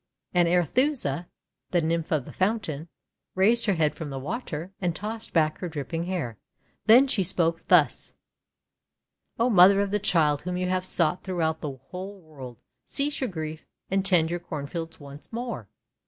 And Arethusa, the Nymph of the Fountain, raised her head from the water and tossed back her dripping hair. Then she spoke thus :— 'O Mother of the child whom you have sought throughout the whole world, cease your grief and tend your Cornfields once more